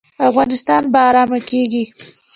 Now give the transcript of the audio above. افغانستان به ارام کیږي؟